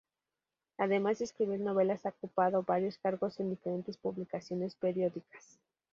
Además de escribir novelas ha ocupado varios cargos en diferentes publicaciones periódicas.